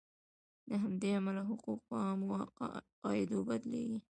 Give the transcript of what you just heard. له همدې امله حقوق په عامو قاعدو بدلیږي.